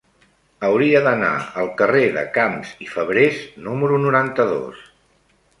Hauria d'anar al carrer de Camps i Fabrés número noranta-dos.